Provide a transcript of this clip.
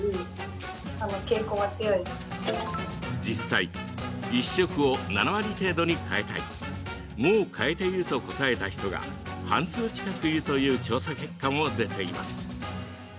実際、１食を７割程度に変えたいもう変えていると答えた人が半数近くいるという調査結果も出ています。